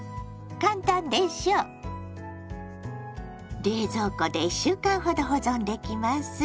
簡単でしょ⁉冷蔵庫で１週間ほど保存できます。